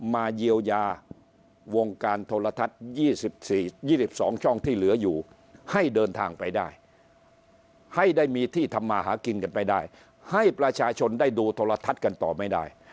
มาเยียวยาวงการโทรทัศน์๒๒ช่องที่เหลืออยู่ให้เดินทางไปได้ให้ได้มีที่ทำมาหากินกันไปได้ให้ประชาชนได้ดูโทรทัศน์กันต่อไม่ได้